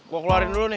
gue keluarin dulu nih